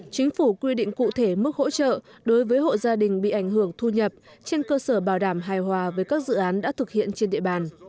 chính phủ quy định cụ thể mức hỗ trợ đối với hộ gia đình bị ảnh hưởng thu nhập trên cơ sở bảo đảm hài hòa với các dự án đã thực hiện trên địa bàn